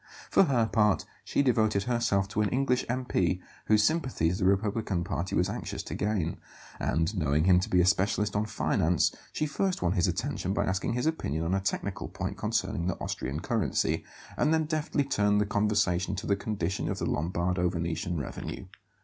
For her part, she devoted herself to an English M.P. whose sympathies the republican party was anxious to gain; and, knowing him to be a specialist on finance, she first won his attention by asking his opinion on a technical point concerning the Austrian currency, and then deftly turned the conversation to the condition of the Lombardo Venetian revenue.